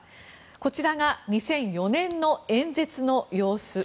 こちらが２００４年の演説の様子。